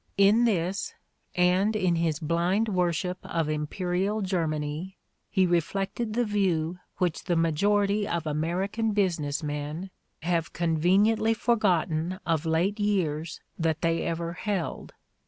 In this, and in his blind worship of imperial Germany, he reflected the view which the majority of American business men have con veniently forgotten of late years that they ever held.